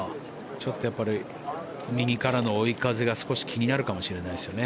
ちょっとやっぱり右からの追い風が少し気になるかもしれないですね